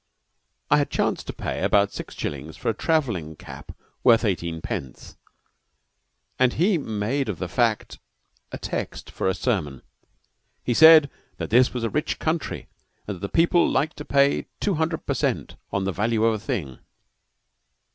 I had chanced to pay about six shillings for a travelling cap worth eighteen pence, and he made of the fact a text for a sermon. He said that this was a rich country, and that the people liked to pay two hundred per cent, on the value of a thing.